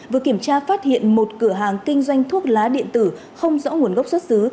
vừa kiểm tra phát hiện một cửa hàng kinh doanh thuốc lá điện tử không rõ nguồn gốc xuất xứ